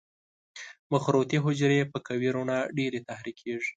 مخروطي حجرې په قوي رڼا ډېرې تحریکېږي.